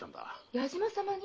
矢島様に？